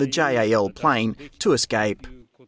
di jal untuk bereskip